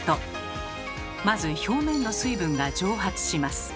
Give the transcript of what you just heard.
まず表面の水分が蒸発します。